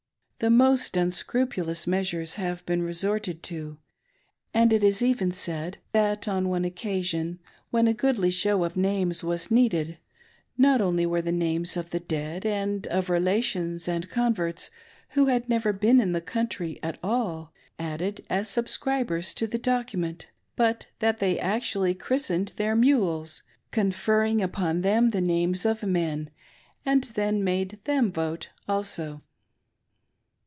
The most unscrupulous measures have been resorted to, and it is even said that on one occasion when a goodly show of names was needed, not only were the names of the dead and of relations and converts who had never been in the country at all, added as subscribers to the document, but that they actually Christ ened their mules — conferring upon them the names of men, and then made them vote also